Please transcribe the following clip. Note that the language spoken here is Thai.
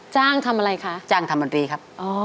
จ้างทำอะไรคะจ้างทำดนตรีครับ